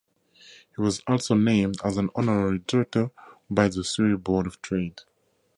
He was also named as an honorary director by the Surrey Board of Trade.